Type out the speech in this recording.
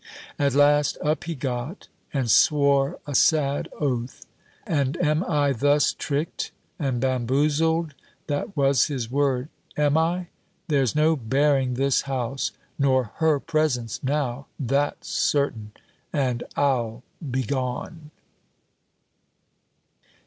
At last, up he got, and swore a sad oath: "And am I thus tricked and bamboozled," that was his word; "am I? There's no bearing this house, nor her presence, now, that's certain; and I'll begone."